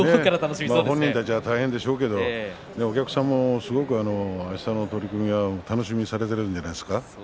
本人たちは大変でしょうけれどもお客さんも明日の取組は楽しみにされているんじゃないですか。